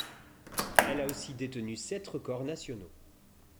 Elle a aussi détenu sept records nationaux.